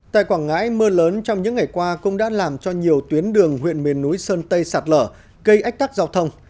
tại quảng ngãi mưa lớn trong những ngày qua cũng đã làm cho nhiều tuyến đường huyện miền núi sơn tây sạt lở gây ách tắc giao thông